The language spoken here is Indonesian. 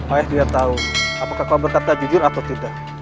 ayah biar tahu apakah kau berkata jujur atau tidak